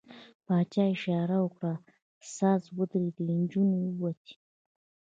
پاچا اشاره وکړه، ساز ودرېد، نجونې ووتې.